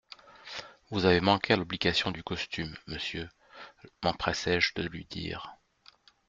Vous avez manqué à l'obligation du costume, monsieur, m'empressai-je de lui dire.